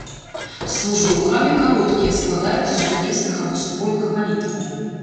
Службы ў храме кароткія, складаюцца з сумесных або супольных малітваў.